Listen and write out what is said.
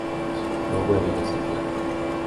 No hubo heridos en tierra.